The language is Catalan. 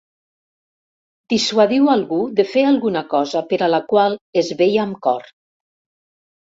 Dissuadiu algú de fer alguna cosa per a la qual es veia amb cor.